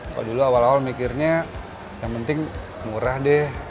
kalau dulu awal awal mikirnya yang penting murah deh